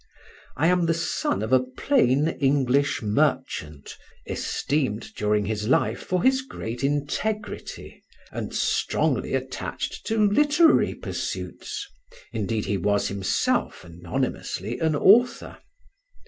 I am the son of a plain English merchant, esteemed during his life for his great integrity, and strongly attached to literary pursuits (indeed, he was himself, anonymously, an author).